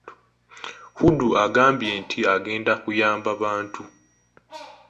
Hudu agambye nti agenda kuyamba abantu.